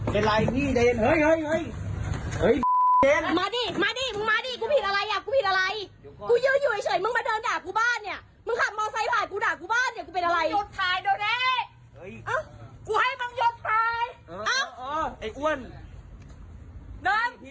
บอกว่ามีผู้หญิงคนนึงจะเข้ามาทำร้าย